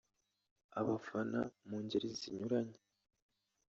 Abafana mu ngeri zinyuranye